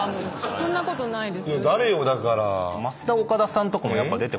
そんなことないです。